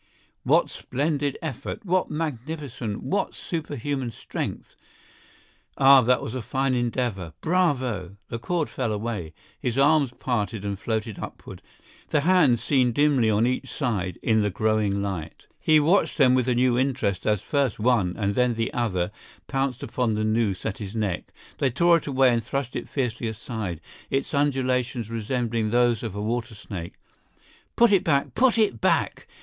What splendid effort!—what magnificent, what superhuman strength! Ah, that was a fine endeavor! Bravo! The cord fell away; his arms parted and floated upward, the hands dimly seen on each side in the growing light. He watched them with a new interest as first one and then the other pounced upon the noose at his neck. They tore it away and thrust it fiercely aside, its undulations resembling those of a water snake. "Put it back, put it back!"